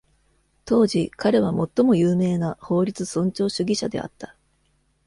当時、彼は最も有名な法律尊重主義者であった。